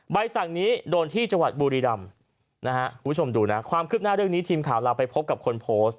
ใบสั่งนี้โดนที่บุรีดำความคืบหน้าเรื่องนี้ทีมข่าวเราไปพบกับคนโพสต์